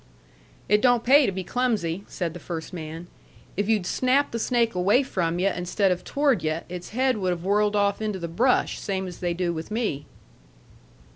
"It don't pay to be clumsy," said the first man. "If you'd snapped the snake away from yu' instead of toward yu', its head would have whirled off into the brush, same as they do with me."